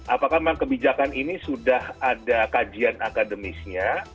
apakah memang kebijakan ini sudah ada kajian akademisnya